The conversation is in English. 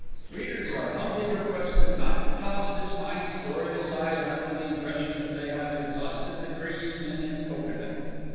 Readers are humbly requested not to toss this fine story aside under the impression that they have exhausted the cream in its cocoanut.